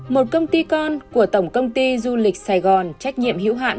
một công ty con của tổng công ty du lịch sài gòn trách nhiệm hữu hạn